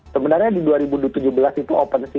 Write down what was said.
sebenarnya di dua ribu tujuh belas itu opensea